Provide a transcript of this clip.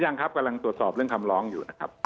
ยังครับกำลังตรวจสอบเรื่องคำร้องอยู่นะครับ